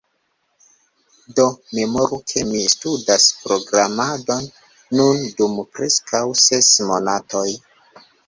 Do memoru, ke mi studas programadon nun dum preskaŭ ses monatoj.